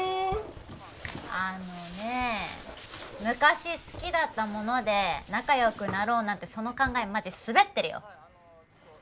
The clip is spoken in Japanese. あのね昔好きだったもので仲よくなろうなんてその考えマジスベってるよ！